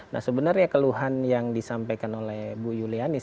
nah sebenarnya keluhan yang disampaikan oleh bu yulianis